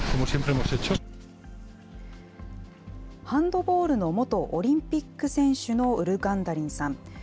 ハンドボールの元オリンピック選手のウルダンガリンさん。